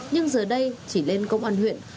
nhưng giờ đây chỉ lên công an huyện